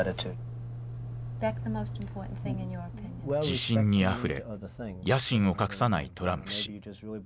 自信にあふれ野心を隠さないトランプ氏。